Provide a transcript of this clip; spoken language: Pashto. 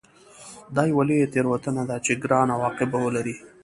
دا یوه لویه تېروتنه ده چې ګران عواقب به ولري